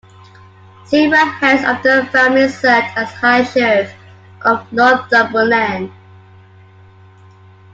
Several heads of the family served as High Sheriff of Northumberland.